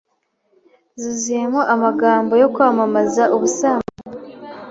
zuzuyemo amagambo yo kwamamaza ubusambanyi,